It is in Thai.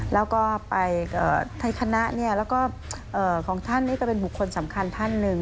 แล้วก็ไปกับไทยคณะแล้วก็ของท่านนี่ก็เป็นบุคคลสำคัญท่านหนึ่ง